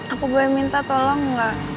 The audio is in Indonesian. aku boleh minta tolong gak